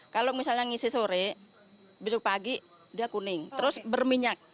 kalau misalnya ngisi sore besok pagi dia kuning terus berminyak